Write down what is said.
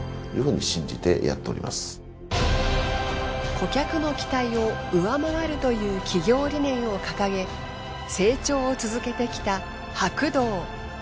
顧客の期待を上回るという企業理念を掲げ成長を続けてきた白銅。